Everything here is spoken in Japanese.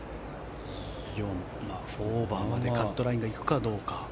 ４オーバーまでカットラインが行くかどうか。